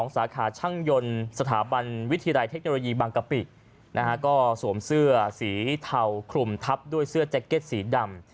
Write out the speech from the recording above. สาขาช่างยนต์สถาบันวิทยาลัยเทคโนโลยีบางกะปิก็สวมเสื้อสีเทาคลุมทับด้วยเสื้อแจ็คเก็ตสีดำ